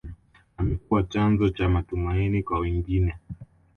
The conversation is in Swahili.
amekuwa chanzo cha matumaini kwa wengine